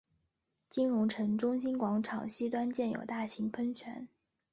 金融街中心广场西端建有大型喷泉。